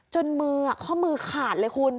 จนค่อมือขาดเลยคุณ